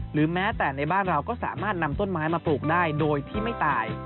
แม้แต่ในบ้านเราก็สามารถนำต้นไม้มาปลูกได้โดยที่ไม่ตาย